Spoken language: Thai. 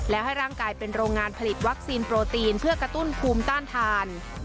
และให้ร่างกายเป็นโรงงานผลิตวัคซีนโปรตีนเพื่อกระตุ้นภูมิต้านทาน